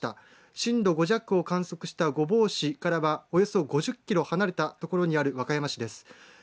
震度５弱を観測した御坊市からはおよそ５０キロ離れたところにある和歌山市です。